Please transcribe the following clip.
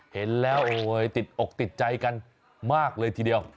เห็นแล้วโอ้ยติดอกติดใจกันมากเลยทีเดียว